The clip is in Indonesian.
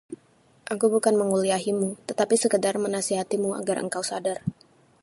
aku bukan menguliahimu, tetapi sekadar menasihatimu agar engkau sadar